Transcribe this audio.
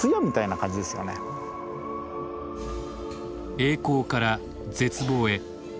栄光から絶望へ。